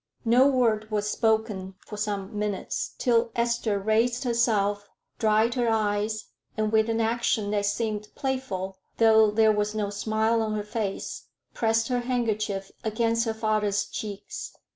No word was spoken for some minutes, till Esther raised herself, dried her eyes, and, with an action that seemed playful, though there was no smile on her face, pressed her handkerchief against her father's cheeks.